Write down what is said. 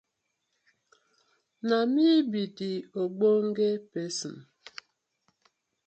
Na mi bi de ogbonge pesin.